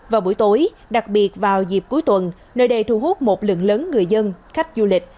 vào buổi tối đặc biệt vào dịp cuối tuần nơi đây thu hút một lượng lớn người dân khách du lịch